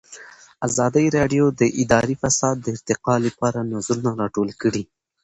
ازادي راډیو د اداري فساد د ارتقا لپاره نظرونه راټول کړي.